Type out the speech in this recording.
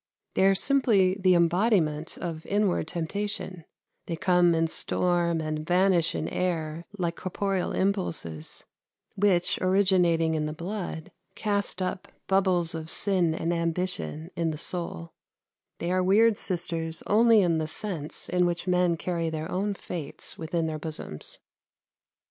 They are simply the embodiment of inward temptation; they come in storm and vanish in air, like corporeal impulses, which, originating in the blood, cast up bubbles of sin and ambition in the soul; they are weird sisters only in the sense in which men carry their own fates within their bosoms."